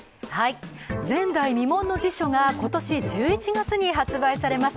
前代未聞の辞書が今年１１月に発売されます。